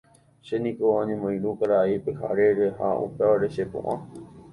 Chéniko añemoirũ karai Pyharére ha upévare chepo'a.